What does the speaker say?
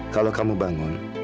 kalau kamu bangun